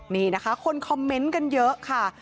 นี่นะคะคนคอมเมนต์กันเยอะค่ะ